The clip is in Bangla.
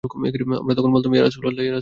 আমরা তখন বললাম, ইয়া রাসূলাল্লাহ!